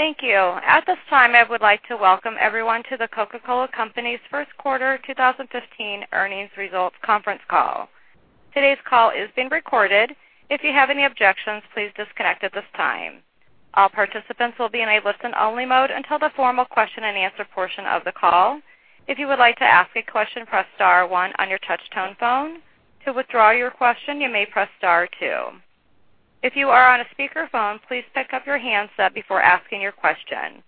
Thank you. At this time, I would like to welcome everyone to The Coca-Cola Company's first quarter 2015 earnings results conference call. Today's call is being recorded. If you have any objections, please disconnect at this time. All participants will be in a listen-only mode until the formal question and answer portion of the call. If you would like to ask a question, press star one on your touch-tone phone. To withdraw your question, you may press star two. If you are on a speakerphone, please pick up your handset before asking your question.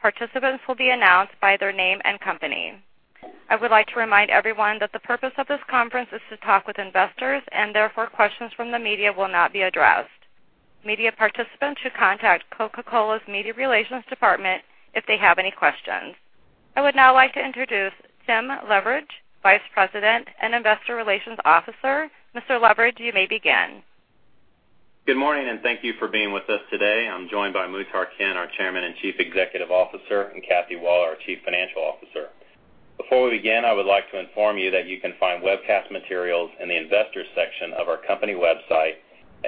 Participants will be announced by their name and company. I would like to remind everyone that the purpose of this conference is to talk with investors. Therefore, questions from the media will not be addressed. Media participants should contact Coca-Cola's media relations department if they have any questions. I would now like to introduce Tim Leveridge, Vice President and Investor Relations Officer. Mr. Leveridge, you may begin. Good morning. Thank you for being with us today. I'm joined by Muhtar Kent, our Chairman and Chief Executive Officer, and Kathy Waller, our Chief Financial Officer. Before we begin, I would like to inform you that you can find webcast materials in the investors section of our company website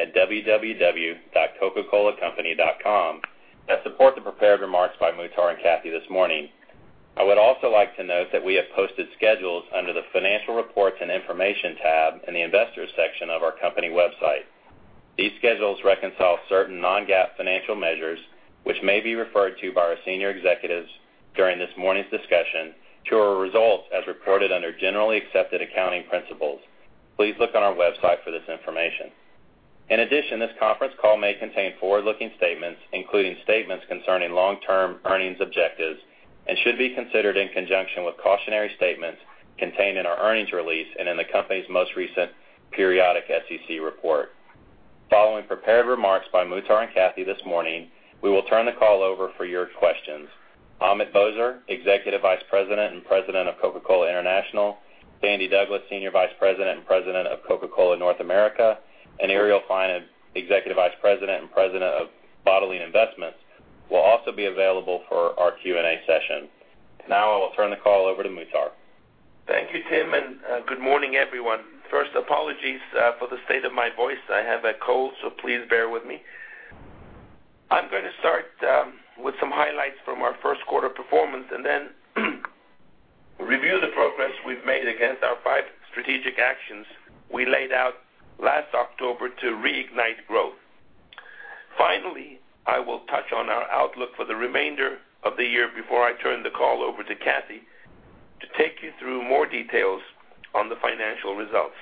at www.coca-colacompany.com that support the prepared remarks by Muhtar and Kathy this morning. I would also like to note that we have posted schedules under the financial reports and information tab in the investors section of our company website. These schedules reconcile certain non-GAAP financial measures, which may be referred to by our senior executives during this morning's discussion to our results as reported under generally accepted accounting principles. Please look on our website for this information. In addition, this conference call may contain forward-looking statements, including statements concerning long-term earnings objectives and should be considered in conjunction with cautionary statements contained in our earnings release and in the company's most recent periodic SEC report. Following prepared remarks by Muhtar and Kathy this morning, we will turn the call over for your questions. Ahmet Bozer, Executive Vice President and President of Coca-Cola International, Sandy Douglas, Senior Vice President and President of Coca-Cola North America, and Irial Finan, Executive Vice President and President of Bottling Investments, will also be available for our Q&A session. Now I will turn the call over to Muhtar. Thank you, Tim, and good morning, everyone. First, apologies for the state of my voice. I have a cold, so please bear with me. I'm going to start with some highlights from our first-quarter performance and then review the progress we've made against our five strategic actions we laid out last October to reignite growth. Finally, I will touch on our outlook for the remainder of the year before I turn the call over to Kathy to take you through more details on the financial results.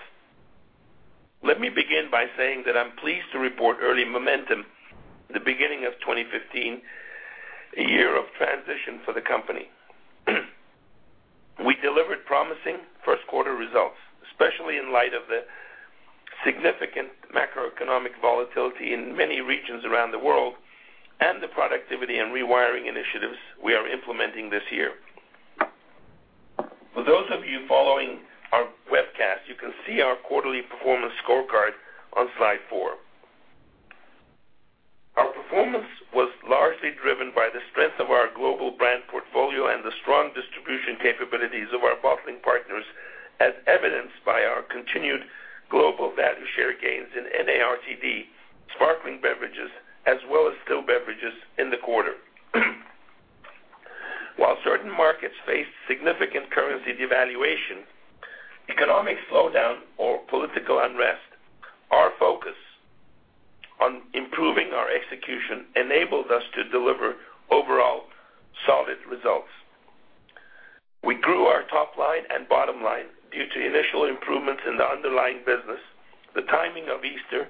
Let me begin by saying that I'm pleased to report early momentum at the beginning of 2015, a year of transition for the company. We delivered promising first-quarter results, especially in light of the significant macroeconomic volatility in many regions around the world and the productivity and rewiring initiatives we are implementing this year. For those of you following our webcast, you can see our quarterly performance scorecard on slide four. Our performance was largely driven by the strength of our global brand portfolio and the strong distribution capabilities of our bottling partners, as evidenced by our continued global value share gains in NARTD sparkling beverages, as well as still beverages in the quarter. While certain markets face significant currency devaluation, economic slowdown, or political unrest, our focus on improving our execution enabled us to deliver overall solid results. We grew our top line and bottom line due to initial improvements in the underlying business, the timing of Easter,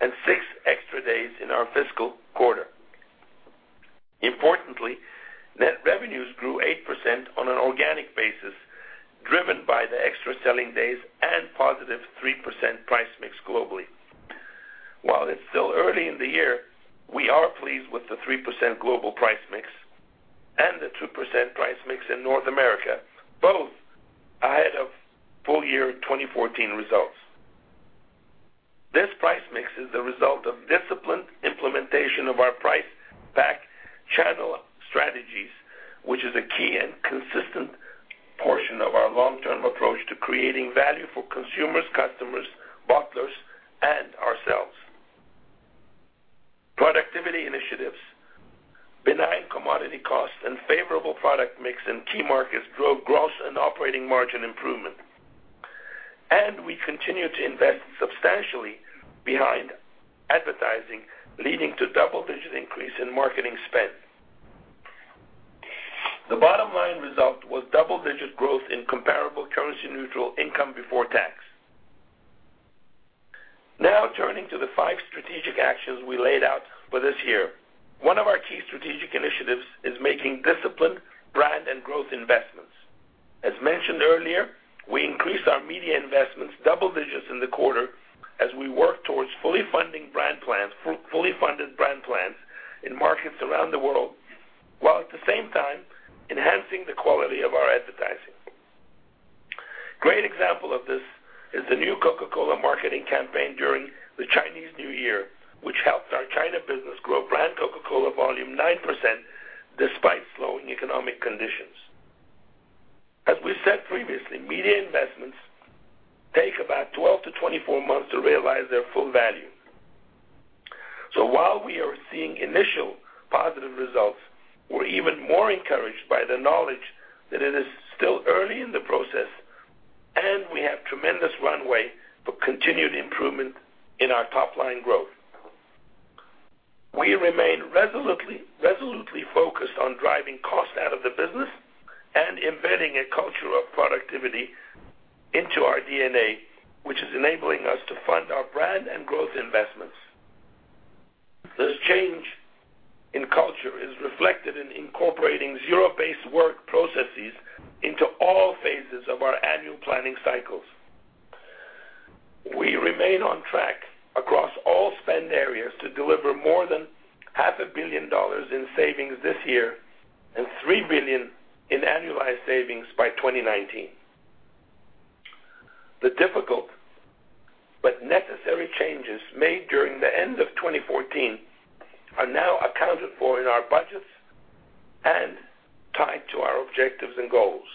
and six extra days in our fiscal quarter. Importantly, net revenues grew 8% on an organic basis, driven by the extra selling days and positive 3% price mix globally. While it's still early in the year, we are pleased with the 3% global price mix and the 2% price mix in North America, both ahead of full-year 2014 results. This price mix is the result of disciplined implementation of our price back channel strategies, which is a key and consistent portion of our long-term approach to creating value for consumers, customers, bottlers, and ourselves. Productivity initiatives, benign commodity costs, and favorable product mix in key markets drove gross and operating margin improvement. We continue to invest substantially behind advertising, leading to double-digit increase in marketing spend. The bottom-line result was double-digit growth in comparable currency-neutral income before tax. Now turning to the five strategic actions we laid out for this year. One of our key strategic initiatives is making disciplined brand and growth investments. As mentioned earlier, I increased our media investments double digits in the quarter as we work towards fully funded brand plans in markets around the world, while at the same time enhancing the quality of our advertising. Great example of this is the new Coca-Cola marketing campaign during the Chinese New Year, which helped our China business grow brand Coca-Cola volume 9%, despite slowing economic conditions. As we said previously, media investments take about 12 to 24 months to realize their full value. While we are seeing initial positive results, we're even more encouraged by the knowledge that it is still early in the process, we have tremendous runway for continued improvement in our top-line growth. We remain resolutely focused on driving costs out of the business and embedding a culture of productivity into our DNA, which is enabling us to fund our brand and growth investments. This change in culture is reflected in incorporating zero-based work processes into all phases of our annual planning cycles. We remain on track across all spend areas to deliver more than half a billion dollars in savings this year and $3 billion in annualized savings by 2019. The difficult but necessary changes made during the end of 2014 are now accounted for in our budgets and tied to our objectives and goals.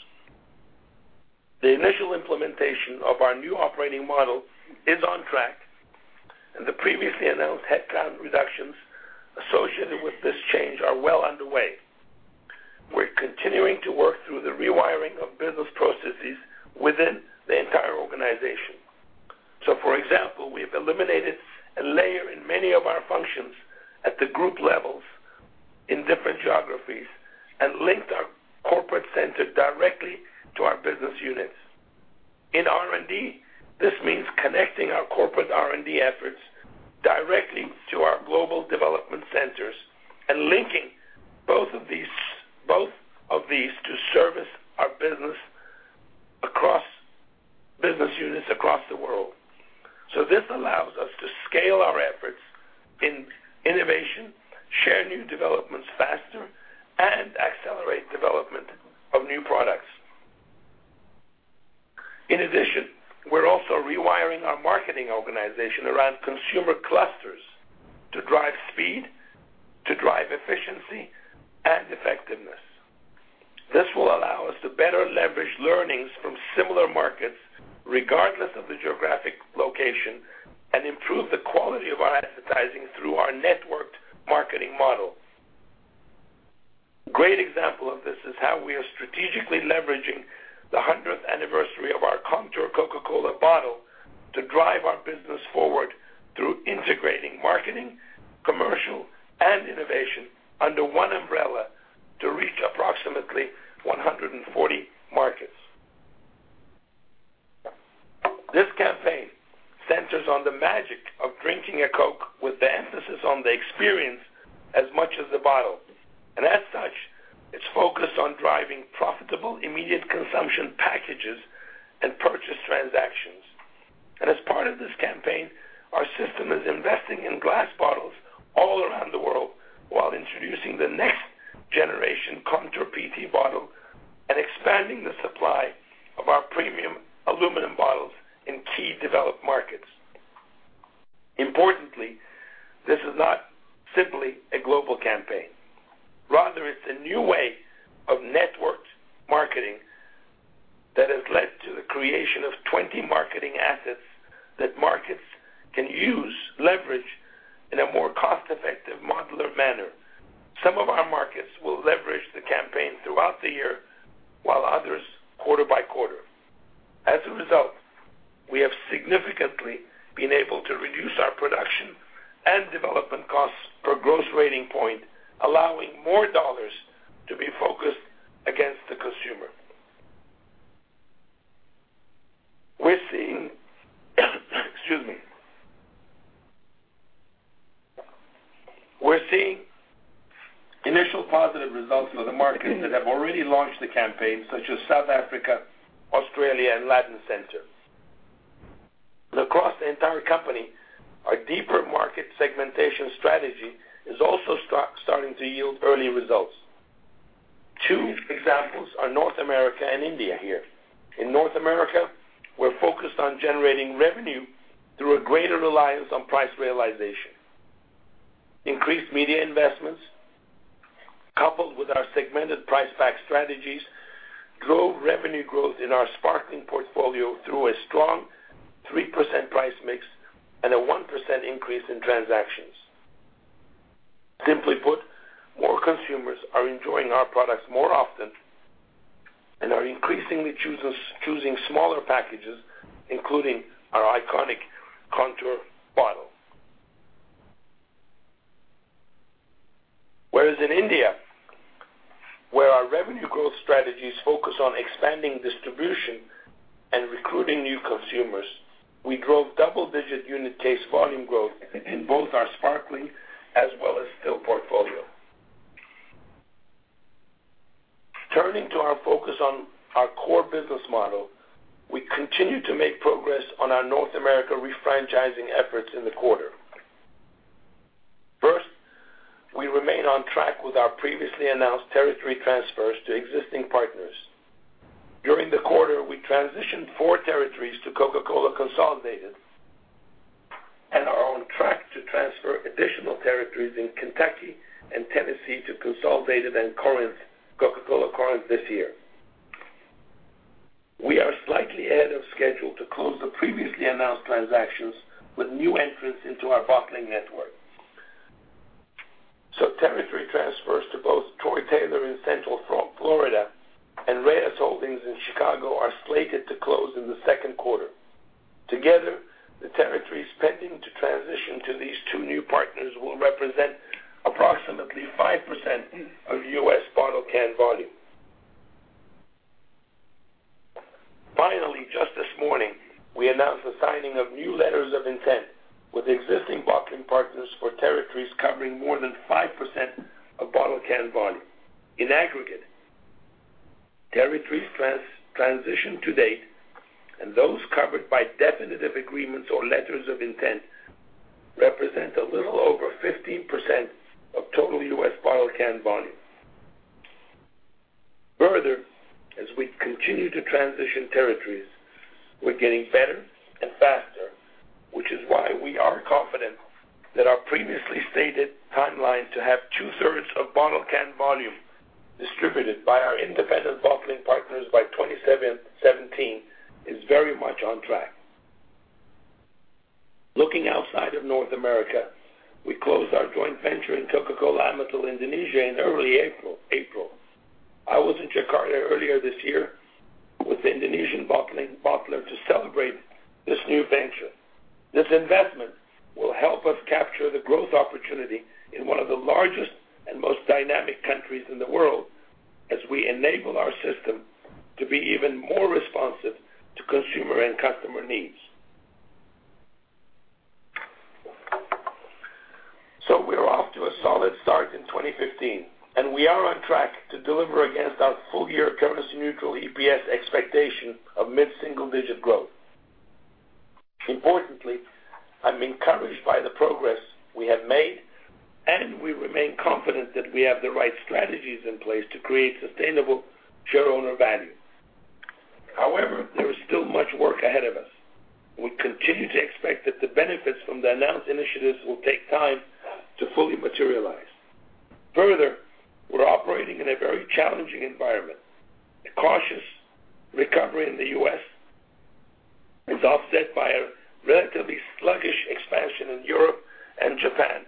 The initial implementation of our new operating model is on track, and the previously announced headcount reductions associated with this change are well underway. We're continuing to work through the rewiring we continue to make progress on our Coca-Cola North America refranchising efforts in the quarter. First, we remain on track with our previously announced territory transfers to existing partners. During the quarter, we transitioned four territories to Coca-Cola Consolidated. We plan to transfer additional territories in Kentucky and Tennessee to Coca-Cola Consolidated and Coca-Cola Corinth this year. We are slightly ahead of schedule to close the previously announced transactions with new entrants into our bottling network. Territory transfers to both Troy Taylor in Central Florida and Reyes Holdings in Chicago are slated to close in the second quarter. Together, the territories pending to transition to these two new partners will represent approximately 5% of U.S. bottle-can volume. Finally, just this morning, we announced the signing of new letters of intent with existing bottling partners for territories covering more than 5% of bottle-can volume. In aggregate, territories transitioned to date and those covered by definitive agreements or letters of intent represent a little over 15% of total U.S. bottle-can volume. As we continue to transition territories, we're getting better and faster, which is why we are confident that our previously stated timeline to have two-thirds of bottle-can volume distributed by our independent bottling partners by 2017 is very much on track. Looking outside of Coca-Cola North America, we closed our joint venture in Coca-Cola Amatil Indonesia in early April. I was in Jakarta earlier this year with the Indonesian bottler to celebrate this new venture. This investment will help us capture the growth opportunity in one of the largest and most dynamic countries in the world as we enable our system to be even more responsive to consumer and customer needs. We're off to a solid start in 2015, and we are on track to deliver against our full-year currency neutral EPS expectation of mid-single digit growth. Importantly, I'm encouraged by the progress we have made, and we remain confident that we have the right strategies in place to create sustainable shareowner value. However, there is still much work ahead of us. We continue to expect that the benefits from the announced initiatives will take time to fully materialize. Further, we're operating in a very challenging environment. A cautious recovery in the U.S. is offset by a relatively sluggish expansion in Europe and Japan,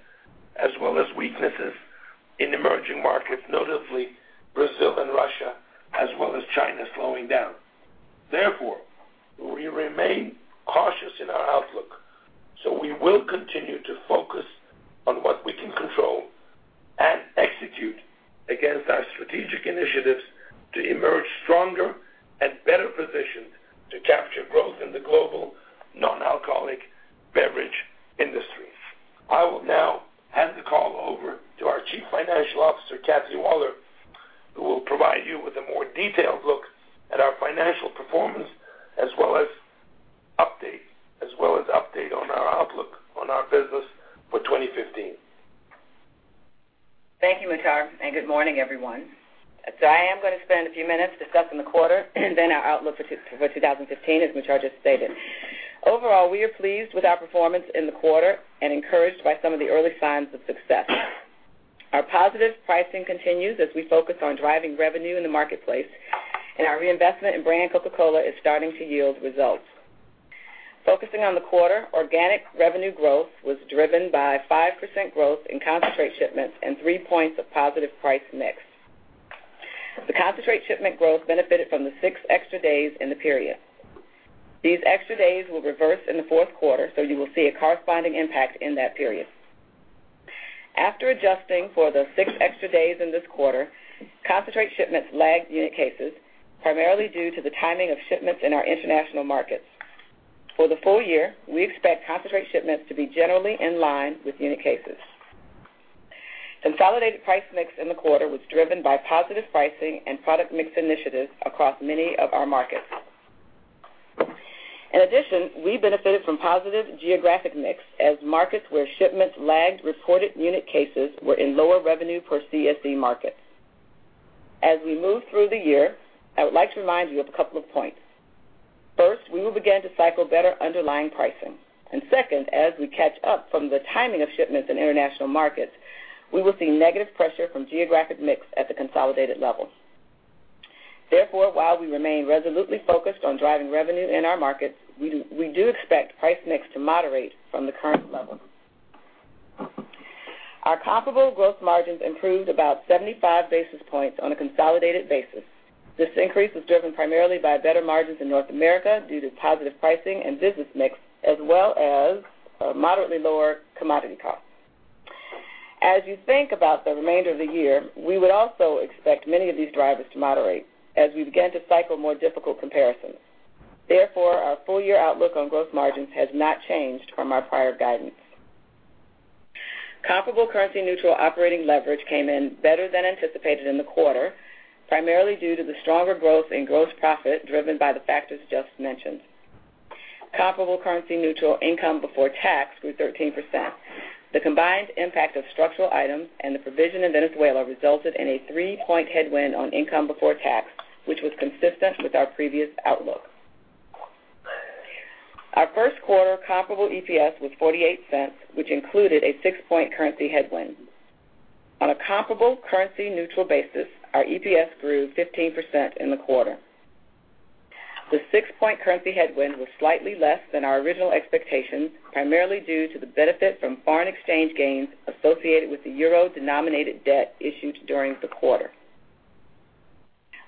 as well as weaknesses in emerging markets, notably Brazil and Russia, as well as China slowing down. Therefore, we remain cautious The concentrate shipment growth benefited from the six extra days in the period. These extra days will reverse in the fourth quarter, you will see a corresponding impact in that period. After adjusting for the six extra days in this quarter, concentrate shipments lagged unit cases, primarily due to the timing of shipments in our international markets. For the full year, we expect concentrate shipments to be generally in line with unit cases. Consolidated price mix in the quarter was driven by positive pricing and product mix initiatives across many of our markets. In addition, we benefited from positive geographic mix as markets where shipments lagged reported unit cases were in lower revenue per CSE markets. As we move through the year, I would like to remind you of a couple of points. First, we will begin to cycle better underlying pricing, and second, as we catch up from the timing of shipments in international markets, we will see negative pressure from geographic mix at the consolidated level. While we remain resolutely focused on driving revenue in our markets, we do expect price mix to moderate from the current level. Our comparable growth margins improved about 75 basis points on a consolidated basis. This increase was driven primarily by better margins in North America due to positive pricing and business mix, as well as moderately lower commodity costs. As you think about the remainder of the year, we would also expect many of these drivers to moderate as we begin to cycle more difficult comparisons. Our full-year outlook on growth margins has not changed from our prior guidance. Comparable currency-neutral operating leverage came in better than anticipated in the quarter, primarily due to the stronger growth in gross profit driven by the factors just mentioned. Comparable currency-neutral income before tax grew 13%. The combined impact of structural items and the provision in Venezuela resulted in a three-point headwind on income before tax, which was consistent with our previous outlook. Our first quarter comparable EPS was $0.48, which included a six-point currency headwind. On a comparable currency neutral basis, our EPS grew 15% in the quarter. The six-point currency headwind was slightly less than our original expectations, primarily due to the benefit from foreign exchange gains associated with the euro-denominated debt issued during the quarter.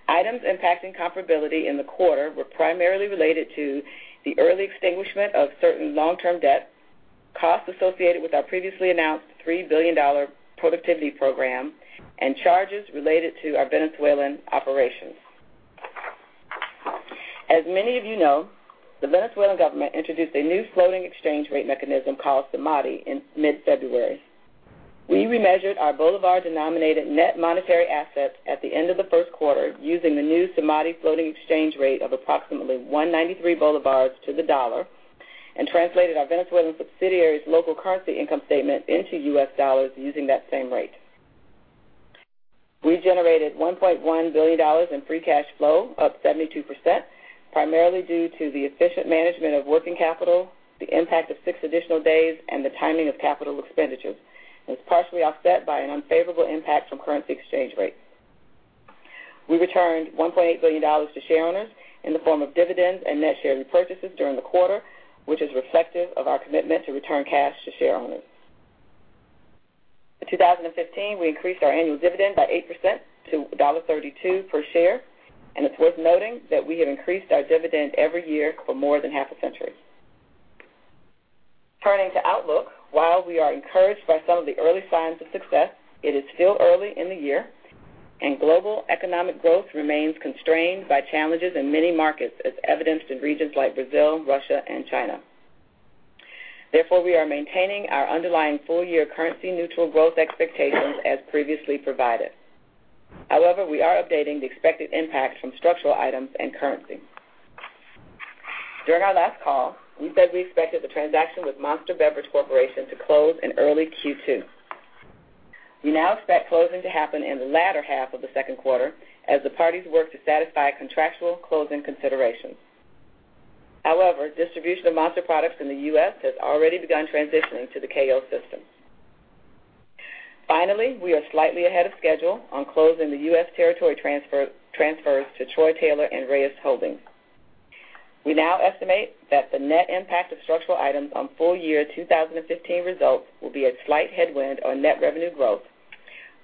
Items impacting comparability in the quarter were primarily related to the early extinguishment of certain long-term debt, costs associated with our previously announced $3 billion productivity program, and charges related to our Venezuelan operations. As many of you know, the Venezuelan government introduced a new floating exchange rate mechanism called SIMADI in mid-February. We remeasured our bolivar-denominated net monetary assets at the end of the first quarter using the new SIMADI floating exchange rate of approximately 193 bolivars to the dollar and translated our Venezuelan subsidiary's local currency income statement into US dollars using that same rate. We generated $1.1 billion in free cash flow, up 72%, primarily due to the efficient management of working capital, the impact of six additional days, and the timing of capital expenditures. It's partially offset by an unfavorable impact from currency exchange rates. We returned $1.8 billion to shareowners in the form of dividends and net share repurchases during the quarter, which is reflective of our commitment to return cash to shareowners. In 2015, we increased our annual dividend by 8% to $1.32 per share. It's worth noting that we have increased our dividend every year for more than half a century. Turning to outlook. While we are encouraged by some of the early signs of success, it is still early in the year, and global economic growth remains constrained by challenges in many markets, as evidenced in regions like Brazil, Russia, and China. Therefore, we are maintaining our underlying full-year currency neutral growth expectations as previously provided. However, we are updating the expected impacts from structural items and currency. During our last call, we said we expected the transaction with Monster Beverage Corporation to close in early Q2. We now expect closing to happen in the latter half of the second quarter as the parties work to satisfy contractual closing considerations. However, distribution of Monster products in the U.S. has already begun transitioning to the KO system. Finally, we are slightly ahead of schedule on closing the U.S. territory transfers to Troy Taylor and Reyes Holdings. We now estimate that the net impact of structural items on full-year 2015 results will be a slight headwind on net revenue growth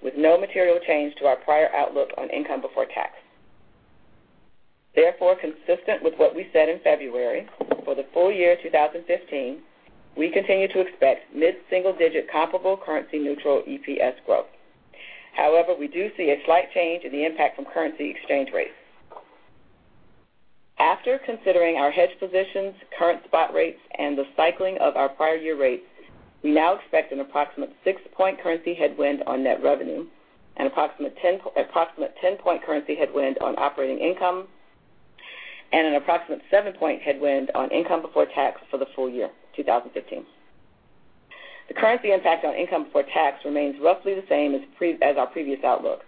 with no material change to our prior outlook on income before tax. Therefore, consistent with what we said in February, for the full year 2015, we continue to expect mid-single-digit comparable currency neutral EPS growth. However, we do see a slight change in the impact from currency exchange rates. After considering our hedge positions, current spot rates, and the cycling of our prior year rates, we now expect an approximate six-point currency headwind on net revenue, an approximate 10-point currency headwind on operating income, and an approximate seven-point headwind on income before tax for the full year 2015. The currency impact on income before tax remains roughly the same as our previous outlook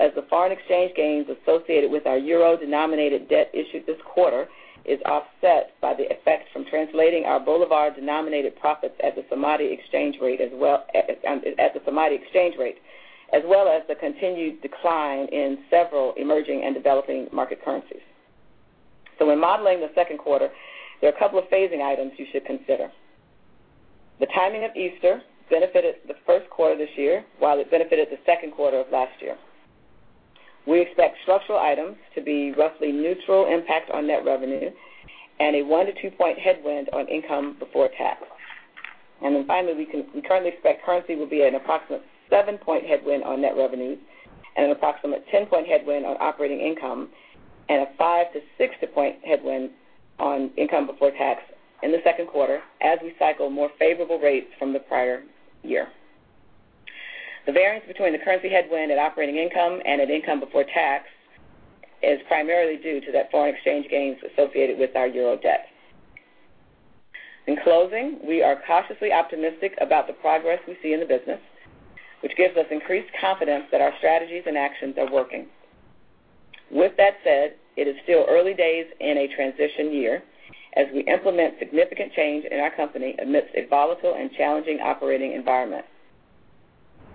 as the foreign exchange gains associated with our euro-denominated debt issued this quarter is offset by the effects from translating our bolivar-denominated profits at the SIMADI exchange rate, as well as the continued decline in several emerging and developing market currencies. When modeling the second quarter, there are a couple of phasing items you should consider. The timing of Easter benefited the first quarter this year while it benefited the second quarter of last year. We expect structural items to be roughly neutral impact on net revenue and a one- to two-point headwind on income before tax. Finally, we currently expect currency will be an approximate seven-point headwind on net revenue and an approximate 10-point headwind on operating income and a five- to six-point headwind on income before tax in the second quarter as we cycle more favorable rates from the prior year. The variance between the currency headwind and operating income and at income before tax is primarily due to that foreign exchange gains associated with our euro debt. In closing, we are cautiously optimistic about the progress we see in the business, which gives us increased confidence that our strategies and actions are working. With that said, it is still early days in a transition year as we implement significant change in our company amidst a volatile and challenging operating environment.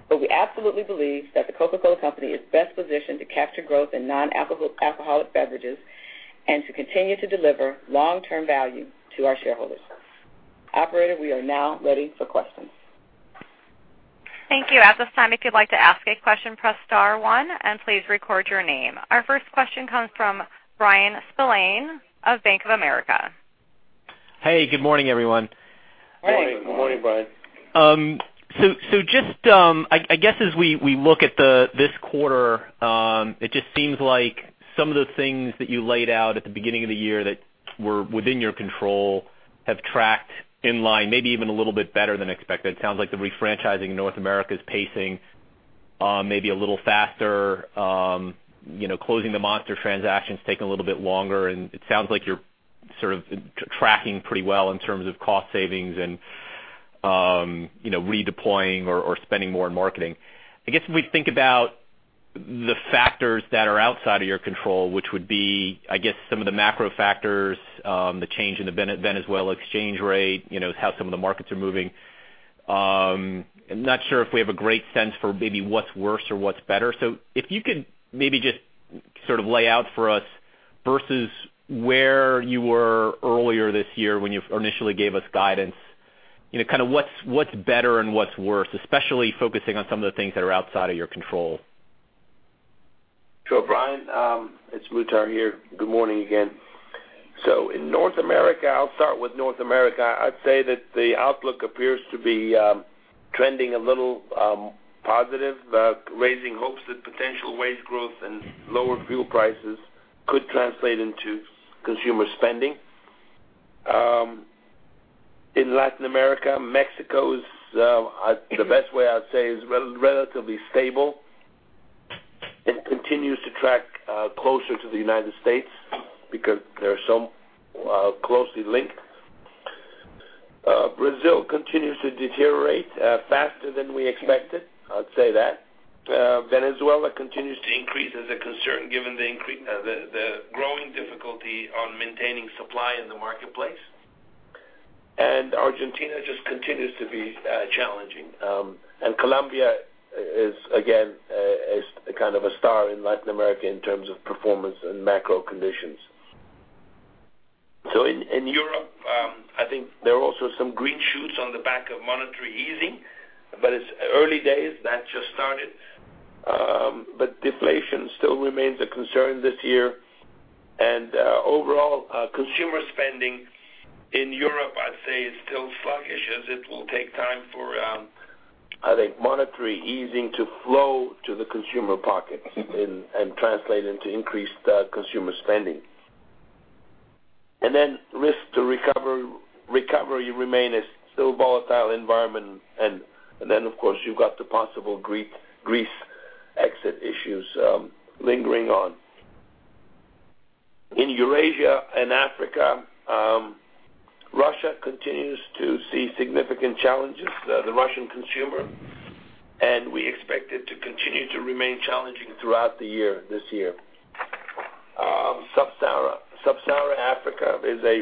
We absolutely believe that The Coca-Cola Company is best positioned to capture growth in non-alcoholic beverages and to continue to deliver long-term value to our shareholders. Operator, we are now ready for questions. Thank you. At this time, if you'd like to ask a question, press star one and please record your name. Our first question comes from Bryan Spillane of Bank of America. Good morning, everyone. Good morning, Bryan. I guess as we look at this quarter, it just seems like some of the things that you laid out at the beginning of the year that were within your control have tracked in line, maybe even a little bit better than expected. It sounds like the refranchising in Coca-Cola North America is pacing maybe a little faster. Closing the Monster transaction's taking a little bit longer, and it sounds like you're sort of tracking pretty well in terms of cost savings and Redeploying or spending more on marketing. I guess, if we think about the factors that are outside of your control, which would be, I guess, some of the macro factors, the change in the Venezuela exchange rate, how some of the markets are moving. I'm not sure if we have a great sense for maybe what's worse or what's better. If you could maybe just sort of lay out for us versus where you were earlier this year when you initially gave us guidance. Kind of what's better and what's worse, especially focusing on some of the things that are outside of your control. Sure, Bryan. It's Muhtar here. Good morning again. In Coca-Cola North America, I'll start with Coca-Cola North America, I'd say that the outlook appears to be trending a little positive, raising hopes that potential wage growth and lower fuel prices could translate into consumer spending. In Latin America, Mexico is, the best way I'd say, is relatively stable and continues to track closer to the United States because they are so closely linked. Brazil continues to deteriorate faster than we expected, I'd say that. Venezuela continues to increase as a concern given the growing difficulty on maintaining supply in the marketplace. Argentina just continues to be challenging. Colombia is, again, is kind of a star in Latin America in terms of performance and macro conditions. In Europe, I think there are also some green shoots on the back of monetary easing, but it's early days. That's just started. Deflation still remains a concern this year. Overall, consumer spending in Europe, I'd say, is still sluggish as it will take time for, I think, monetary easing to flow to the consumer pocket and translate into increased consumer spending. Risk to recovery remain as still volatile environment. Of course, you've got the possible Greece exit issues lingering on. In Eurasia and Africa, Russia continues to see significant challenges, the Russian consumer. We expect it to continue to remain challenging throughout the year, this year. Sub-Saharan Africa is a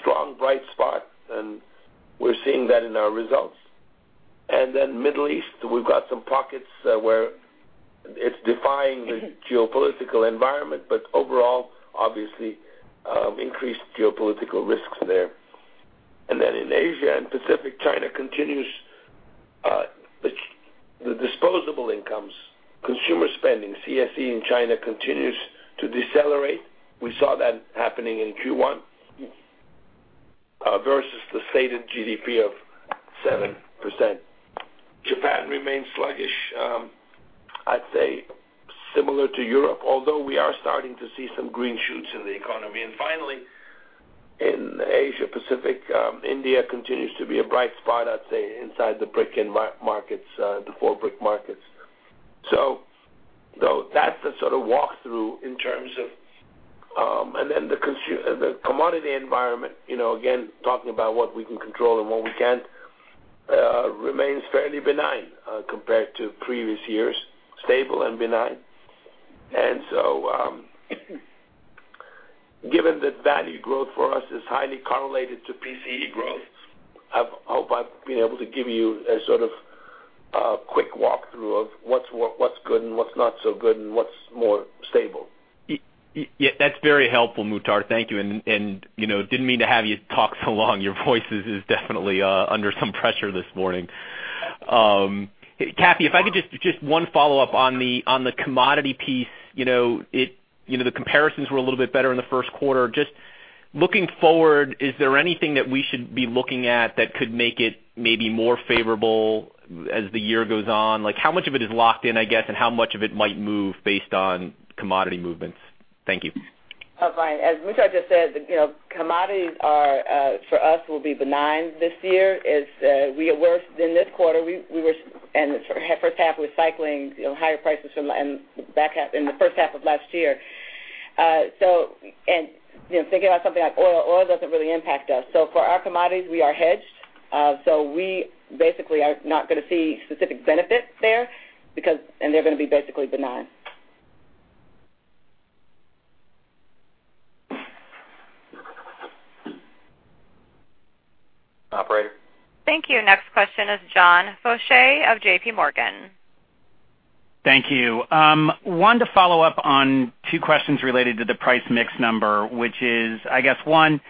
strong, bright spot, and we're seeing that in our results. Middle East, we've got some pockets where it's defying the geopolitical environment, but overall, obviously, increased geopolitical risks there. In Asia and Pacific China continues, the disposable incomes, consumer spending, CSE in China continues to decelerate. We saw that happening in Q1 versus the stated GDP of 7%. Japan remains sluggish, I'd say similar to Europe, although we are starting to see some green shoots in the economy. Finally, in Asia Pacific, India continues to be a bright spot, I'd say, inside the BRIC markets, the four BRIC markets. That's the sort of walk-through in terms of the commodity environment, again, talking about what we can control and what we can't, remains fairly benign compared to previous years, stable and benign. Given that value growth for us is highly correlated to PCE growth, I hope I've been able to give you a sort of quick walk-through of what's good and what's not so good and what's more stable. Yeah. That's very helpful, Muhtar. Thank you. Didn't mean to have you talk so long. Your voice is definitely under some pressure this morning. Kathy, if I could, just one follow-up on the commodity piece. The comparisons were a little bit better in the first quarter. Just looking forward, is there anything that we should be looking at that could make it maybe more favorable as the year goes on? Like how much of it is locked in, I guess, and how much of it might move based on commodity movements? Thank you. Bryan, as Muhtar just said, commodities are for us will be benign this year as we are worse than this quarter, and the first half, we're cycling higher prices in the first half of last year. Thinking about something like oil doesn't really impact us. For our commodities, we are hedged. We basically are not going to see specific benefits there and they're going to be basically benign. Operator? Thank you. Next question is John Faucher of JPMorgan. Thank you. Wanted to follow up on two questions related to the price mix number, which is, I guess, one,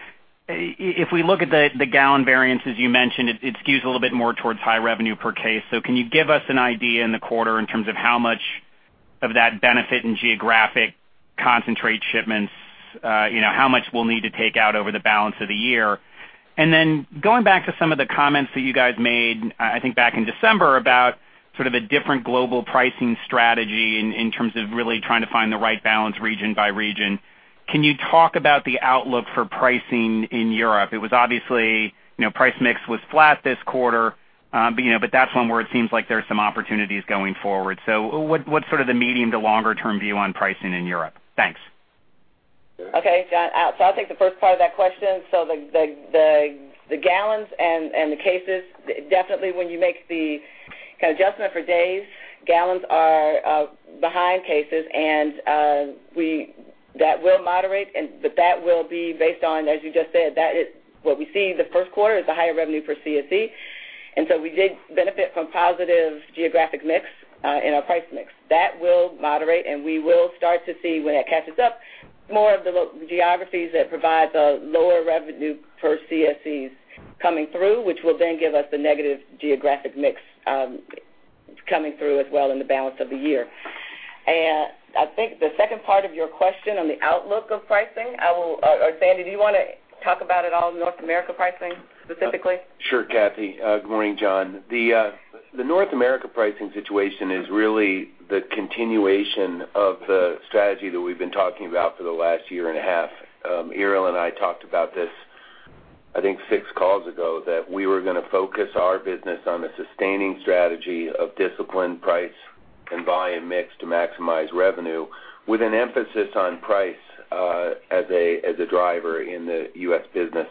if we look at the gallon variance, as you mentioned, it skews a little bit more towards high revenue per case. Can you give us an idea in the quarter in terms of how much of that benefit in geographic concentrate shipments, how much we'll need to take out over the balance of the year? Going back to some of the comments that you guys made, I think back in December about sort of a different global pricing strategy in terms of really trying to find the right balance region by region. Can you talk about the outlook for pricing in Europe? It was obviously, price mix was flat this quarter. That's one where it seems like there's some opportunities going forward. What's sort of the medium to longer term view on pricing in Europe? Thanks. Okay. John, I'll take the first part of that question. The gallons and the cases, definitely when you make the kind of adjustment for days, gallons are behind cases and that will moderate, but that will be based on, as you just said, what we see in the first quarter is a higher revenue per CSE. We did benefit from positive geographic mix in our price mix. That will moderate, and we will start to see, when that catches up, more of the geographies that provide the lower revenue per CSEs coming through, which will then give us the negative geographic mix coming through as well in the balance of the year. I think the second part of your question on the outlook of pricing, Sandy, do you want to talk about it all, North America pricing specifically? Sure, Kathy. Good morning, John. The North America pricing situation is really the continuation of the strategy that we've been talking about for the last year and a half. Irial and I talked about this, I think 6 calls ago, that we were going to focus our business on the sustaining strategy of disciplined price and volume mix to maximize revenue, with an emphasis on price as a driver in the U.S. business.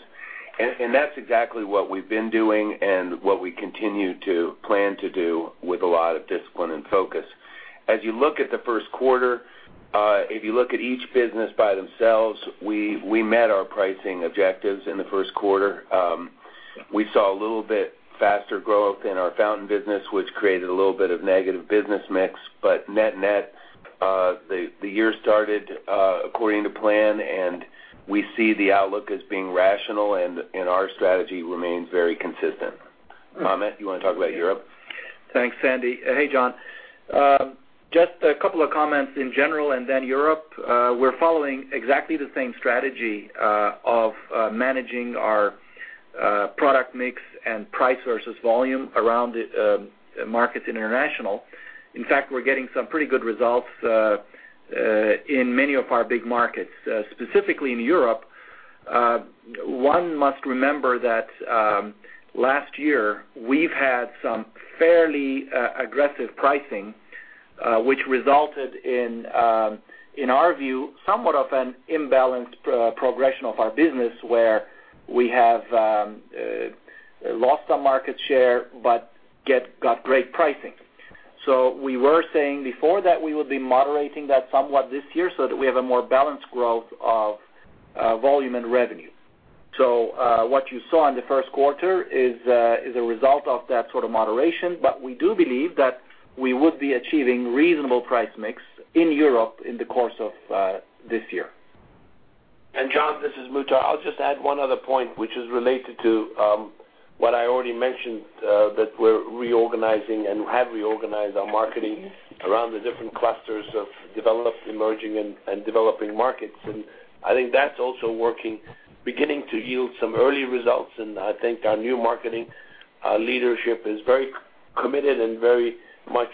That's exactly what we've been doing and what we continue to plan to do with a lot of discipline and focus. As you look at the first quarter, if you look at each business by themselves, we met our pricing objectives in the first quarter. We saw a little bit faster growth in our fountain business, which created a little bit of negative business mix. Net net, the year started according to plan. We see the outlook as being rational, and our strategy remains very consistent. Ahmet, you want to talk about Europe? Thanks, Sandy. Hey, John. Just a couple of comments in general, then Europe. In fact, we're following exactly the same strategy of managing our product mix and price versus volume around the markets international. We're getting some pretty good results in many of our BIG markets. Specifically in Europe, one must remember that last year we've had some fairly aggressive pricing, which resulted in our view, somewhat of an imbalanced progression of our business, where we have lost some market share but got great pricing. We were saying before that we would be moderating that somewhat this year so that we have a more balanced growth of volume and revenue. We do believe that we would be achieving reasonable price mix in Europe in the course of this year. John, this is Muhtar. I'll just add one other point, which is related to what I already mentioned, that we're reorganizing and have reorganized our marketing around the different clusters of developed, emerging, and developing markets. I think that's also working, beginning to yield some early results. I think our new marketing leadership is very committed and very much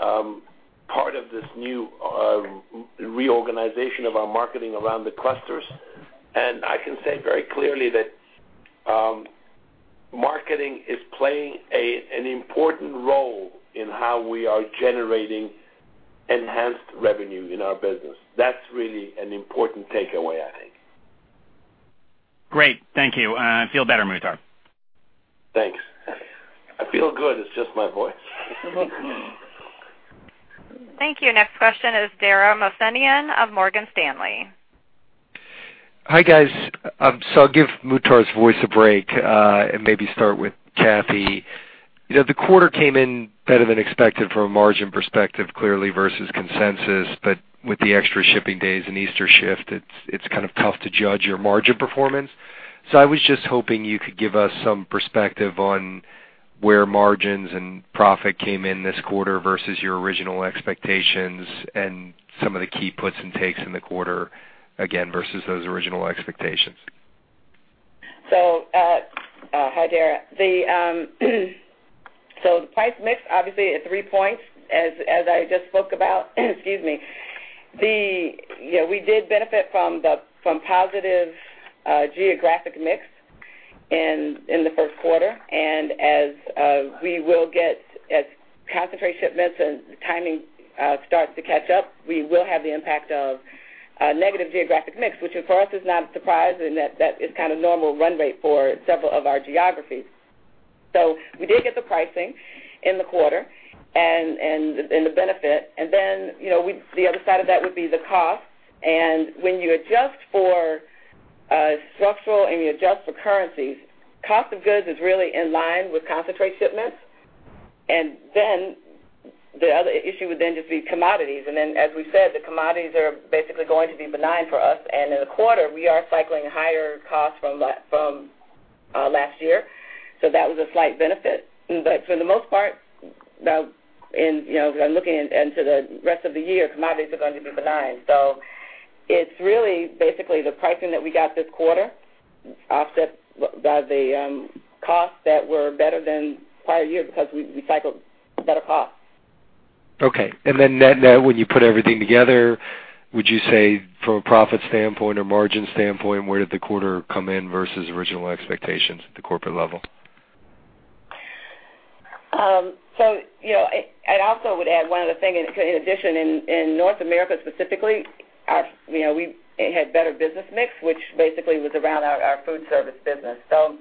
part of this new reorganization of our marketing around the clusters. I can say very clearly that marketing is playing an important role in how we are generating enhanced revenue in our business. That's really an important takeaway, I think. Great. Thank you. Feel better, Muhtar. Thanks. I feel good. It's just my voice. Thank you. Next question is Dara Mohsenian of Morgan Stanley. Hi, guys. I'll give Muhtar's voice a break, and maybe start with Kathy. The quarter came in better than expected from a margin perspective, clearly, versus consensus. With the extra shipping days and Easter shift, it's kind of tough to judge your margin performance. I was just hoping you could give us some perspective on where margins and profit came in this quarter versus your original expectations and some of the key puts and takes in the quarter, again, versus those original expectations. Hi, Dara. The price mix, obviously at 3 points, as I just spoke about excuse me. We did benefit from positive geographic mix in the first quarter. As concentrate shipments and timing starts to catch up, we will have the impact of negative geographic mix, which for us is not a surprise in that that is kind of normal run rate for several of our geographies. We did get the pricing in the quarter, and the benefit. The other side of that would be the cost. When you adjust for structural and you adjust for currencies, cost of goods is really in line with concentrate shipments. The other issue would then just be commodities. As we said, the commodities are basically going to be benign for us. In the quarter, we are cycling higher costs from last year. That was a slight benefit. For the most part, and looking into the rest of the year, commodities are going to be benign. It's really basically the pricing that we got this quarter, offset by the costs that were better than prior year because we cycled better costs. Okay. Net net, when you put everything together, would you say from a profit standpoint or margin standpoint, where did the quarter come in versus original expectations at the corporate level? I also would add one other thing. In addition, in North America specifically, we had better business mix, which basically was around our food service business. For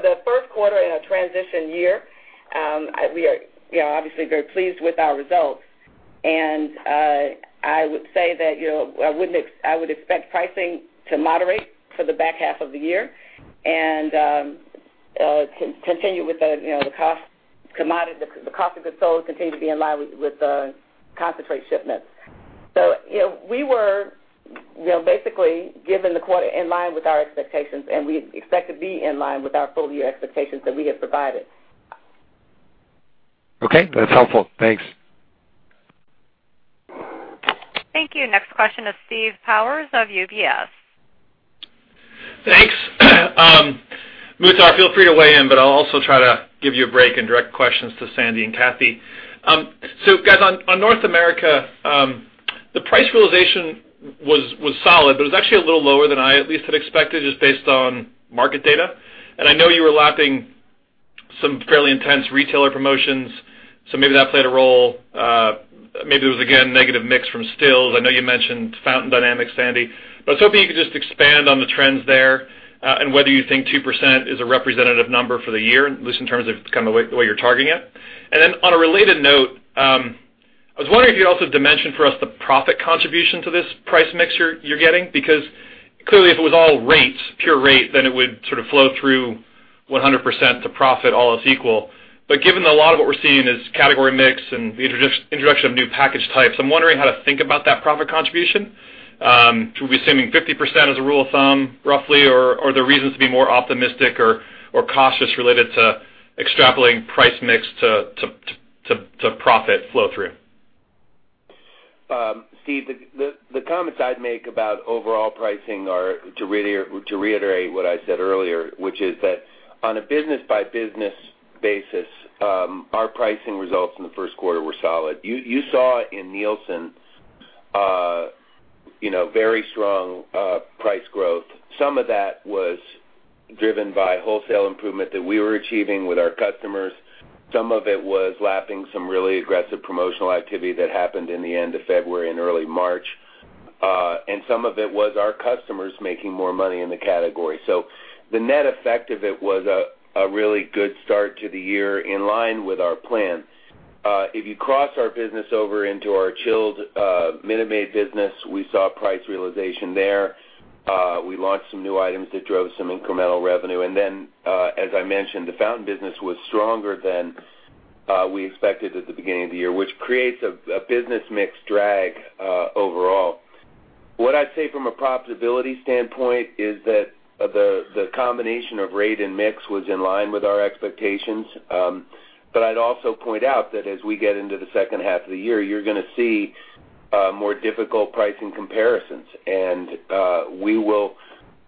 the first quarter in a transition year, we are obviously very pleased with our results. I would say that I would expect pricing to moderate for the back half of the year and the cost of goods sold continue to be in line with concentrate shipments. We were basically given the quarter in line with our expectations, and we expect to be in line with our full-year expectations that we have provided. Okay, that's helpful. Thanks. Thank you. Next question is Steve Powers of UBS. Thanks. Muhtar, feel free to weigh in. I'll also try to give you a break and direct questions to Sandy and Kathy. Guys, on North America, the price realization was solid. It was actually a little lower than I at least had expected, just based on market data. I know you were lapping some fairly intense retailer promotions. Maybe that played a role. Maybe it was, again, negative mix from stills. I know you mentioned fountain dynamics, Sandy. I was hoping you could just expand on the trends there and whether you think 2% is a representative number for the year, at least in terms of kind of the way you're targeting it. On a related note, I was wondering if you'd also dimension for us the profit contribution to this price mix you're getting. Clearly if it was all rates, pure rate, it would sort of flow through 100% to profit all else equal. Given a lot of what we're seeing is category mix and the introduction of new package types, I'm wondering how to think about that profit contribution. Should we be assuming 50% as a rule of thumb, roughly? Are there reasons to be more optimistic or cautious related to extrapolating price mix to profit flow through? Steve, the comments I'd make about overall pricing are to reiterate what I said earlier, which is that on a business-by-business basis, our pricing results in the first quarter were solid. You saw in Nielsen very strong price growth. Some of that was driven by wholesale improvement that we were achieving with our customers. Some of it was lapping some really aggressive promotional activity that happened in the end of February and early March. Some of it was our customers making more money in the category. The net effect of it was a really good start to the year in line with our plan. If you cross our business over into our chilled Minute Maid business, we saw price realization there. We launched some new items that drove some incremental revenue. As I mentioned, the fountain business was stronger than we expected at the beginning of the year, which creates a business mix drag overall. What I'd say from a profitability standpoint is that the combination of rate and mix was in line with our expectations. I'd also point out that as we get into the second half of the year, you're going to see more difficult pricing comparisons. We will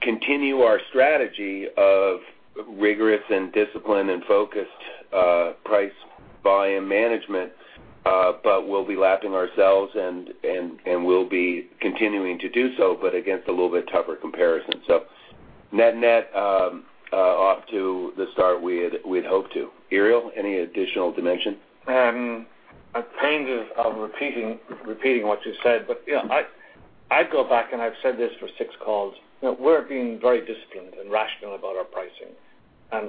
continue our strategy of rigorous and disciplined, and focused price volume management. We'll be lapping ourselves, and we'll be continuing to do so, but against a little bit tougher comparison. Net-net, off to the start we'd hoped to. Irial, any additional dimension? I'm pained of repeating what you said, but I'd go back, and I've said this for six calls. We're being very disciplined and rational about our pricing.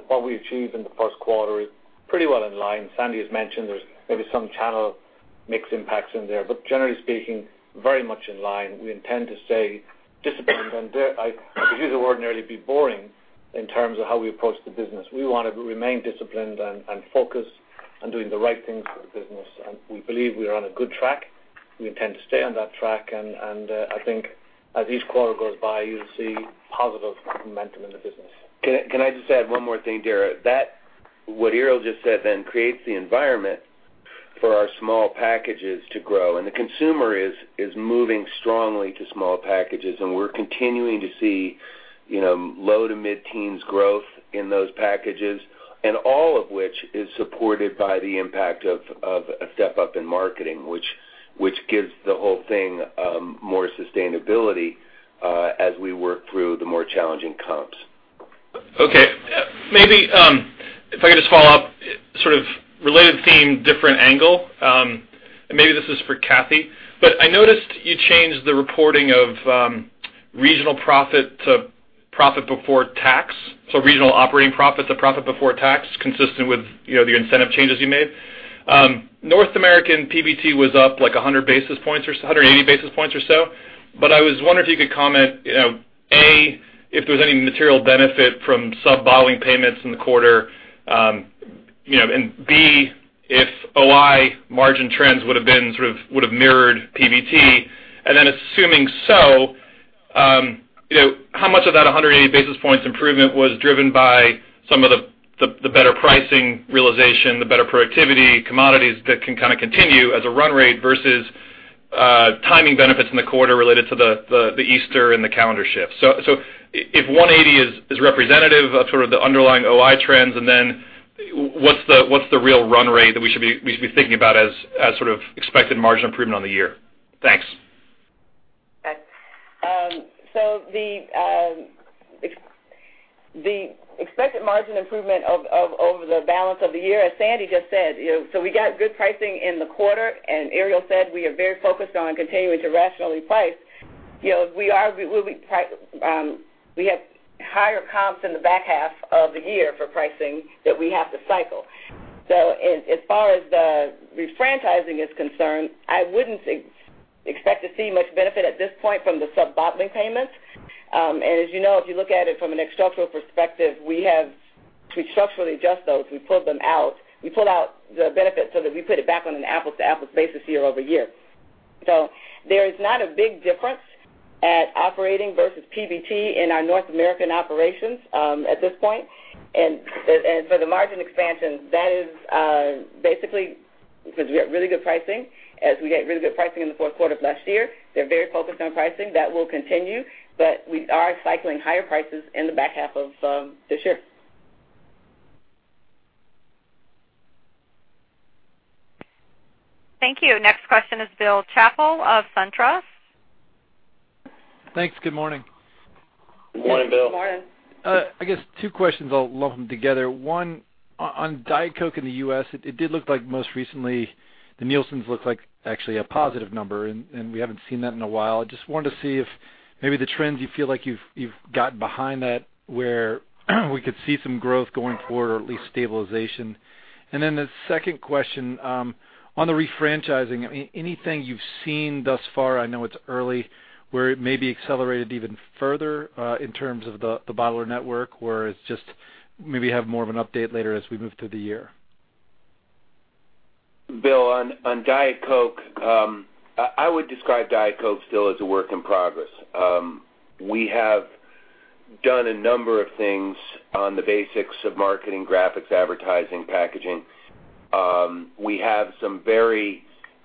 What we achieved in the first quarter is pretty well in line. Sandy has mentioned there's maybe some channel mix impacts in there, but generally speaking, very much in line. We intend to stay disciplined. I could use a word, nearly be boring in terms of how we approach the business. We want to remain disciplined and focused on doing the right things for the business. We believe we are on a good track. We intend to stay on that track. I think as each quarter goes by, you'll see positive momentum in the business. Can I just add one more thing, Sandy? What Irial just said then creates the environment for our small packages to grow. The consumer is moving strongly to small packages, and we're continuing to see low- to mid-teens growth in those packages, all of which is supported by the impact of a step-up in marketing, which gives the whole thing more sustainability as we work through the more challenging comps. Okay. Maybe, if I could just follow up, sort of related theme, different angle. Maybe this is for Kathy. I noticed you changed the reporting of regional profit to profit before tax. Regional operating profit to profit before tax, consistent with the incentive changes you made. North American PBT was up, like, 180 basis points or so. I was wondering if you could comment, A, if there was any material benefit from sub-bottling payments in the quarter. B, if OI margin trends would've mirrored PBT. Assuming so, how much of that 180 basis points improvement was driven by some of the better pricing realization, the better productivity, commodities that can kind of continue as a run rate versus timing benefits in the quarter related to the Easter and the calendar shift. If 180 is representative of sort of the underlying OI trends, what's the real run rate that we should be thinking about as sort of expected margin improvement on the year? Thanks. The expected margin improvement over the balance of the year, as Sandy just said, we got good pricing in the quarter. Irial said we are very focused on continuing to rationally price. We have higher comps in the back half of the year for pricing that we have to cycle. As far as the refranchising is concerned, I wouldn't expect to see much benefit at this point from the sub-bottling payments. As you know, if you look at it from a structural perspective, we structurally adjust those. We pull them out. We pull out the benefit so that we put it back on an apples-to-apples basis year-over-year. There is not a big difference at operating versus PBT in our North American operations at this point. For the margin expansion, that is basically because we have really good pricing. As we had really good pricing in the fourth quarter of last year. They're very focused on pricing. That will continue, but we are cycling higher prices in the back half of this year. Thank you. Next question is Bill Chappell of SunTrust. Thanks. Good morning. Good morning, Bill. Good morning. I guess two questions, I'll lump them together. One, on Diet Coke in the U.S., it did look like most recently, the Nielsen looked like actually a positive number, and we haven't seen that in a while. Just wanted to see if maybe the trends you feel like you've gotten behind that where we could see some growth going forward or at least stabilization. The second question, on the refranchising, anything you've seen thus far, I know it's early, where it may be accelerated even further, in terms of the bottler network, where it's just maybe have more of an update later as we move through the year. Bill, on Diet Coke, I would describe Diet Coke still as a work in progress. We have done a number of things on the basics of marketing, graphics, advertising, packaging. We have some very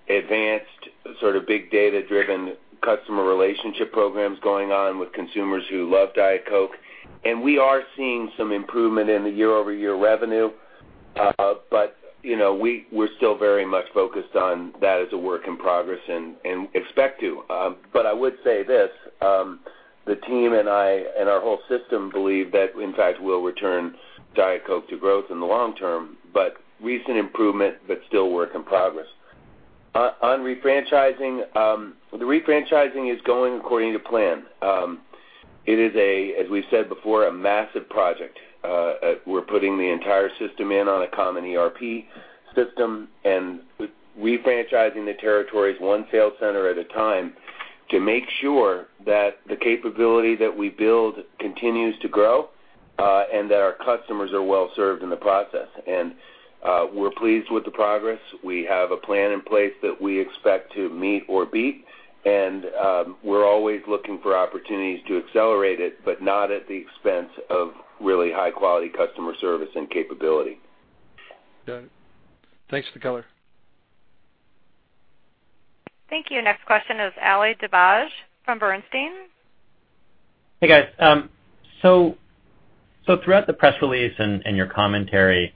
advanced sort of big data-driven customer relationship programs going on with consumers who love Diet Coke. We are seeing some improvement in the year-over-year revenue. We're still very much focused on that as a work in progress and expect to. I would say this, the team and I and our whole system believe that in fact we'll return Diet Coke to growth in the long term, but recent improvement, but still work in progress. On refranchising, the refranchising is going according to plan. It is, as we've said before, a massive project. We're putting the entire system in on a common ERP system and refranchising the territories one sales center at a time to make sure that the capability that we build continues to grow, and that our customers are well-served in the process. We're pleased with the progress. We have a plan in place that we expect to meet or beat. We're always looking for opportunities to accelerate it, but not at the expense of really high-quality customer service and capability. Got it. Thanks for the color. Thank you. Next question is Ali Dibadj from Bernstein. Hey, guys. Throughout the press release and your commentary,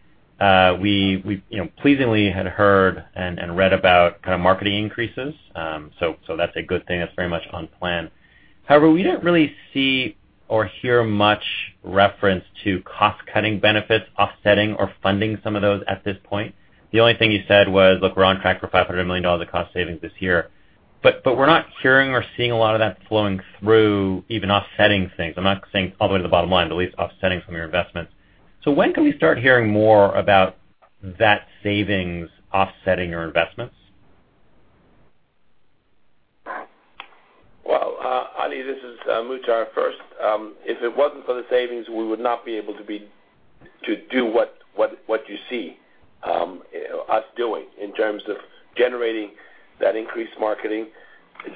we pleasingly had heard and read about kind of marketing increases. That's a good thing. That's very much on plan. However, we didn't really see or hear much reference to cost-cutting benefits offsetting or funding some of those at this point. The only thing you said was, "Look, we're on track for $500 million of cost savings this year." We're not hearing or seeing a lot of that flowing through, even offsetting things. I'm not saying all the way to the bottom line, but at least offsetting some of your investments. When can we start hearing more about that savings offsetting your investments? Well, Ali, this is Muhtar first. If it wasn't for the savings, we would not be able to do what you see us doing in terms of generating that increased marketing,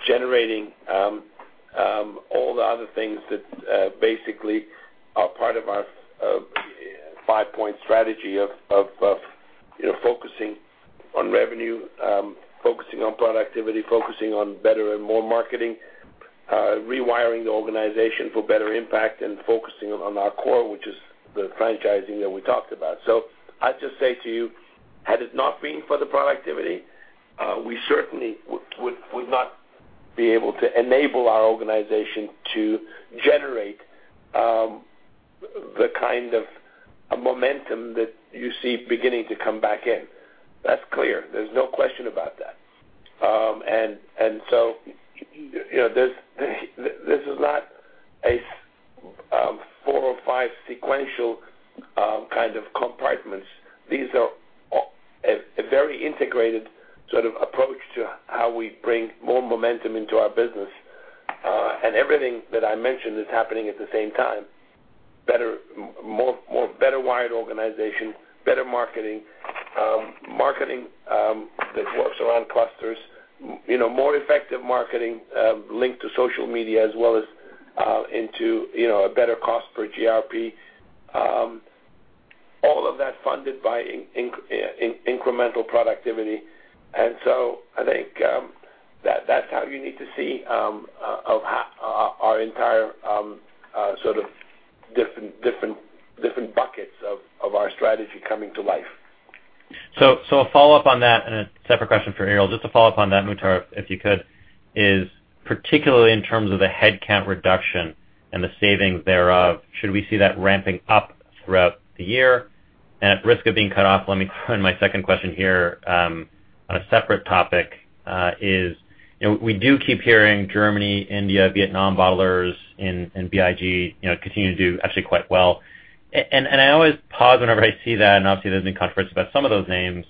generating all the other things that basically are part of our five-point strategy of focusing on revenue, focusing on productivity, focusing on better and more marketing, rewiring the organization for better impact, and focusing on our core, which is the franchising that we talked about. I'd just say to you, had it not been for the productivity, we certainly would not be able to enable our organization to generate the kind of momentum that you see beginning to come back in. That's clear. There's no question about that. This is not a four or five sequential kind of compartments. These are a very integrated sort of approach to how we bring more momentum into our business. Everything that I mentioned is happening at the same time. Better wired organization, better marketing that works around clusters, more effective marketing linked to social media as well as into a better cost per GRP. All of that funded by incremental productivity. I think that's how you need to see our entire sort of different buckets of our strategy coming to life. A follow-up on that and a separate question for Irial. Just to follow up on that, Muhtar, if you could, is particularly in terms of the headcount reduction and the savings thereof, should we see that ramping up throughout the year? At risk of being cut off, let me throw in my second question here, on a separate topic, is we do keep hearing Germany, India, Vietnam bottlers in BIG continue to do actually quite well. I always pause whenever I see that, and obviously there's been conference about some of those names,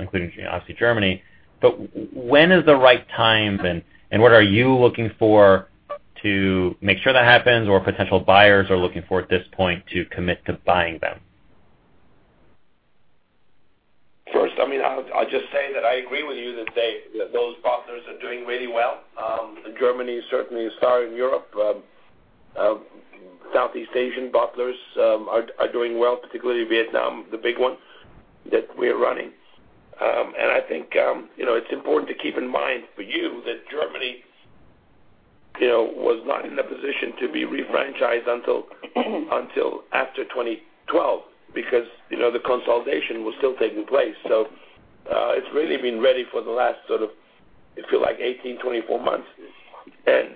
including obviously Germany, but when is the right time and what are you looking for to make sure that happens or potential buyers are looking for at this point to commit to buying them? First, I'll just say that I agree with you that those bottlers are doing really well. Germany is certainly a star in Europe. Southeast Asian bottlers are doing well, particularly Vietnam, the big ones that we're running. I think it's important to keep in mind for you that Germany was not in a position to be refranchised until after 2012 because the consolidation was still taking place. It's really been ready for the last sort of, if you like, 18, 24 months. It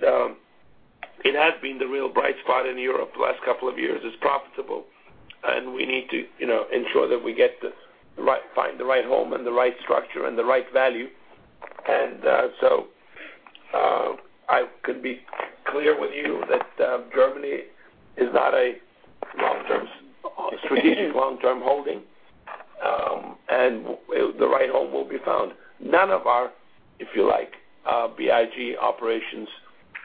has been the real bright spot in Europe the last couple of years. It's profitable, and we need to ensure that we find the right home and the right structure and the right value. I could be clear with you that Germany is not a strategic long-term holding, and the right home will be found. None of our, if you like, BIG operations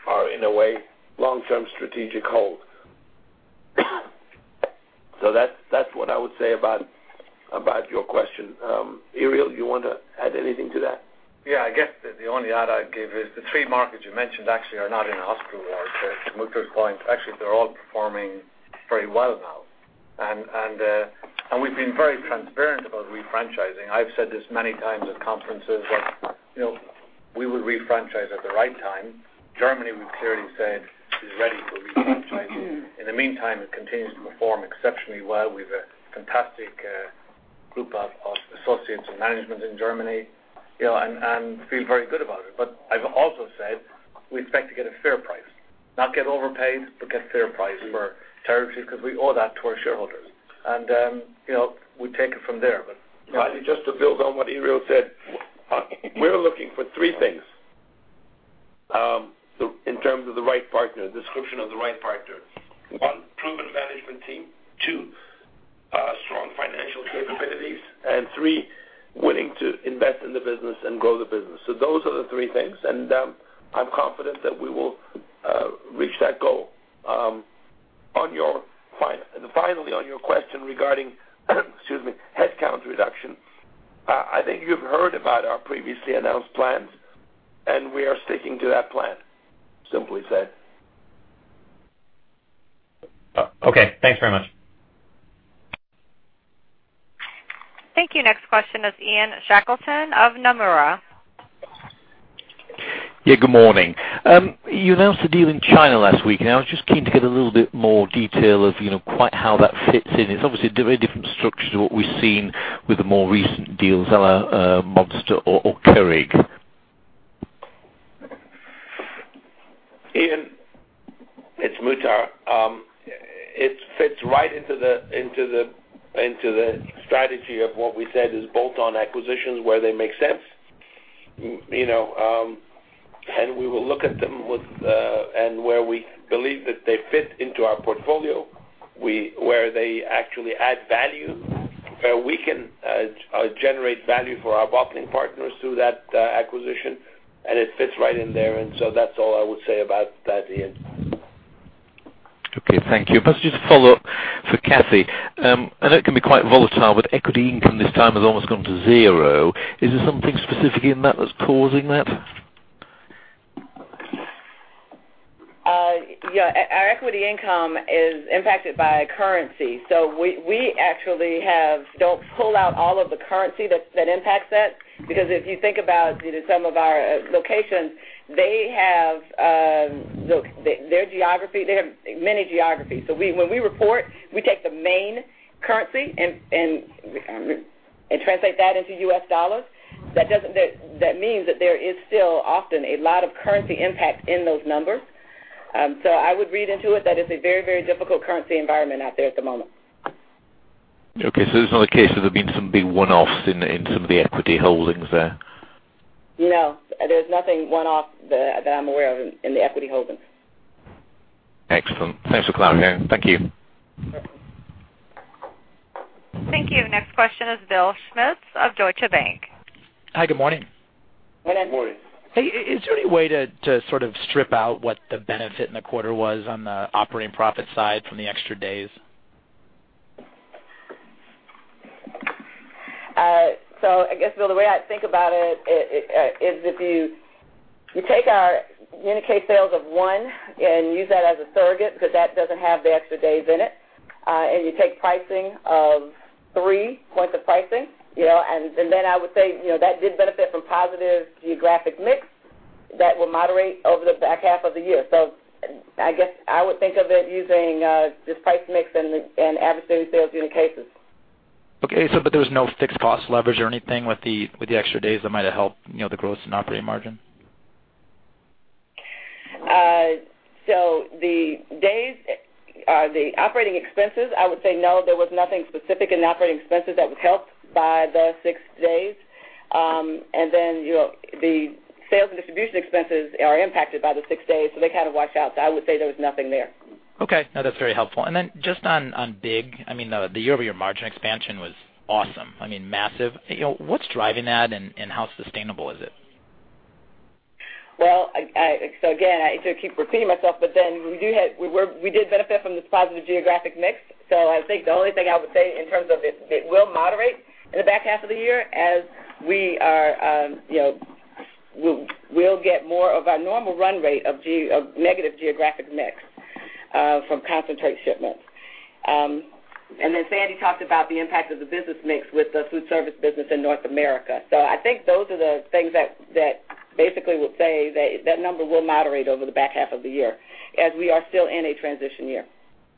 are in a way long-term strategic hold. That's what I would say about your question. Irial, you want to add anything to that? Yeah, I guess the only add I'd give is the three markets you mentioned actually are not in a hospital ward. To Muhtar's point, actually, they're all performing very well now. We've been very transparent about refranchising. I've said this many times at conferences, we will refranchise at the right time. Germany, we've clearly said, is ready for refranchising. In the meantime, it continues to perform exceptionally well. We've a fantastic group of associates and management in Germany, and feel very good about it. I've also said we expect to get a fair price, not get overpaid, but get a fair price for territories because we owe that to our shareholders. We take it from there. Just to build on what Irial said, we're looking for three things. In terms of the right partner, description of the right partner. One, proven management team. Two, strong financial capabilities. Three, willing to invest in the business and grow the business. Those are the three things, I'm confident that we will reach that goal. Finally, on your question regarding excuse me, headcount reduction, I think you've heard about our previously announced plans, we are sticking to that plan, simply said. Okay, thanks very much. Thank you. Next question is Ian Shackleton of Nomura. Yeah, good morning. You announced a deal in China last week, I was just keen to get a little bit more detail of quite how that fits in. It's obviously a very different structure to what we've seen with the more recent deals a la Monster or Keurig. Ian, it's Muhtar. It fits right into the strategy of what we said is bolt-on acquisitions where they make sense. We will look at them and where we believe that they fit into our portfolio, where they actually add value, where we can generate value for our bottling partners through that acquisition, it fits right in there. That's all I would say about that, Ian. Okay, thank you. Perhaps just a follow-up for Kathy. I know it can be quite volatile, equity income this time has almost gone to zero. Is there something specific in that that's causing that? Yeah. Our equity income is impacted by currency. We actually don't pull out all of the currency that impacts that because if you think about some of our locations, they have many geographies. When we report, we take the main currency and translate that into U.S. dollars. That means that there is still often a lot of currency impact in those numbers. I would read into it that it's a very, very difficult currency environment out there at the moment. Okay, this is not a case of there being some big one-offs in some of the equity holdings there. No, there's nothing one-off that I'm aware of in the equity holdings. Excellent. Thanks a lot. Thank you. Thank you. Next question is Bill Schmitz of Deutsche Bank. Hi, good morning. Good morning. Hey, is there any way to sort of strip out what the benefit in the quarter was on the operating profit side from the extra days? I guess, Bill, the way I think about it is if you take our communicate sales of 1 and use that as a surrogate because that doesn't have the extra days in it, and you take pricing of 3 points of pricing, and then I would say that did benefit from positive geographic mix. That will moderate over the back half of the year. I guess I would think of it using just price mix and average sales unit cases. Okay. There was no fixed cost leverage or anything with the extra days that might have helped the gross and operating margin? The operating expenses, I would say no, there was nothing specific in operating expenses that was helped by the six days. The sales and distribution expenses are impacted by the six days, so they kind of wash out. I would say there was nothing there. Okay. No, that's very helpful. Just on BIG, the year-over-year margin expansion was awesome. Massive. What's driving that, and how sustainable is it? Well, again, to keep repeating myself, but then we did benefit from this positive geographic mix. I think the only thing I would say in terms of it will moderate in the back half of the year as we'll get more of our normal run rate of negative geographic mix from concentrate shipments. Sandy talked about the impact of the business mix with the food service business in North America. I think those are the things that basically would say that that number will moderate over the back half of the year as we are still in a transition year.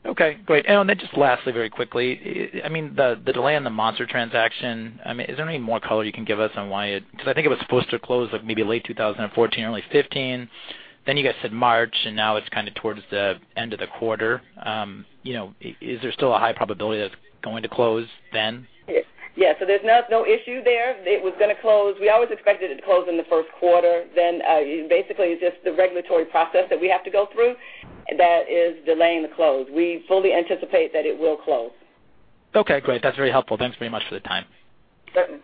Okay, great. Just lastly, very quickly, the delay on the Monster transaction, is there any more color you can give us on why because I think it was supposed to close maybe late 2014, early 2015. You guys said March, and now it's kind of towards the end of the quarter. Is there still a high probability that's going to close then? Yes. There's no issue there. It was going to close. We always expected it to close in the first quarter then. Basically, it's just the regulatory process that we have to go through that is delaying the close. We fully anticipate that it will close. Okay, great. That's very helpful. Thanks very much for the time. Certain.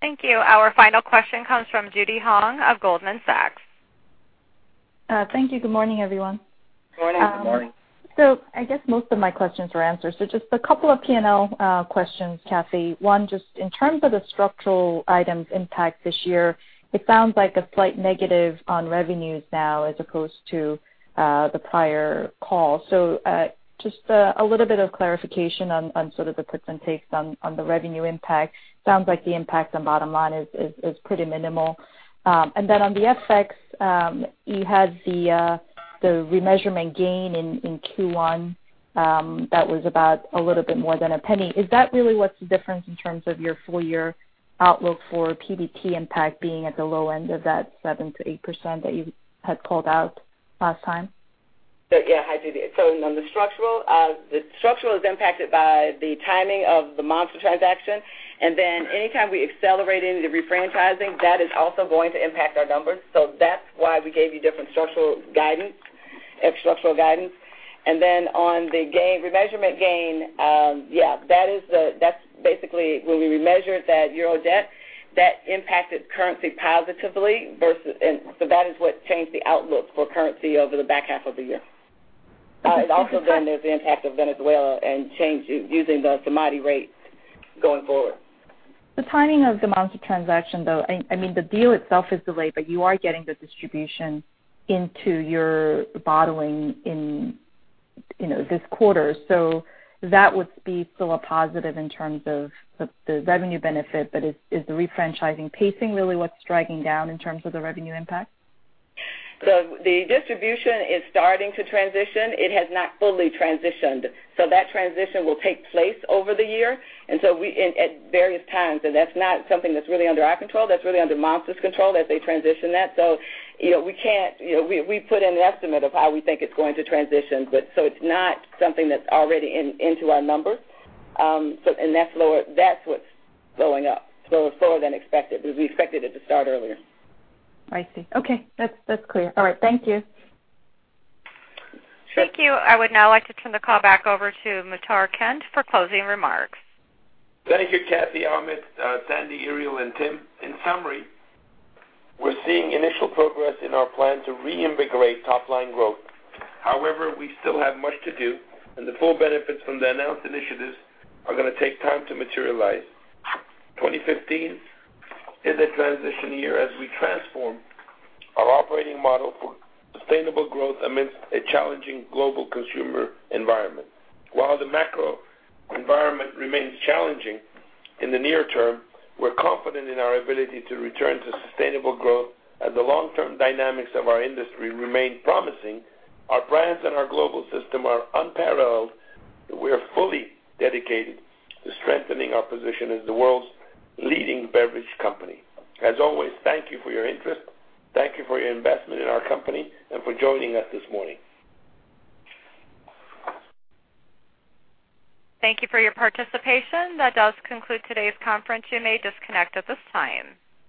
Thank you. Our final question comes from Judy Hong of Goldman Sachs. Thank you. Good morning, everyone. Good morning. Good morning. I guess most of my questions were answered. Just a couple of P&L questions, Kathy. One, just in terms of the structural items impact this year, it sounds like a slight negative on revenues now as opposed to the prior call. Just a little bit of clarification on sort of the puts and takes on the revenue impact. Sounds like the impact on bottom line is pretty minimal. On the FX, you had the remeasurement gain in Q1 that was about a little bit more than $0.01. Is that really what's the difference in terms of your full-year outlook for PBT impact being at the low end of that 7%-8% that you had called out last time? Hi, Judy. On the structural, the structural is impacted by the timing of the Monster transaction. Anytime we accelerate into refranchising, that is also going to impact our numbers. That's why we gave you different structural guidance. On the remeasurement gain, that's basically when we remeasured that EUR debt, that impacted currency positively. That is what changed the outlook for currency over the back half of the year. It also there's the impact of Venezuela and using the SIMADI rates going forward. The timing of the Monster transaction, though, the deal itself is delayed, you are getting the distribution into your bottling in this quarter. That would be still a positive in terms of the revenue benefit. Is the refranchising pacing really what's striking down in terms of the revenue impact? The distribution is starting to transition. It has not fully transitioned. That transition will take place over the year. At various times, that's not something that's really under our control. That's really under Monster's control as they transition that. We put in an estimate of how we think it's going to transition, it's not something that's already into our numbers. That's what's slowing up. Slower than expected. We expected it to start earlier. I see. Okay. That's clear. All right. Thank you. Sure. Thank you. I would now like to turn the call back over to Muhtar Kent for closing remarks. Thank you, Kathy, Ahmet, Sandy, Irial, and Tim. In summary, we're seeing initial progress in our plan to reinvigorate top-line growth. We still have much to do, and the full benefits from the announced initiatives are going to take time to materialize. 2015 is a transition year as we transform our operating model for sustainable growth amidst a challenging global consumer environment. While the macro environment remains challenging in the near term, we're confident in our ability to return to sustainable growth as the long-term dynamics of our industry remain promising. Our brands and our global system are unparalleled. We are fully dedicated to strengthening our position as the world's leading beverage company. As always, thank you for your interest. Thank you for your investment in our company and for joining us this morning. Thank you for your participation. That does conclude today's conference. You may disconnect at this time.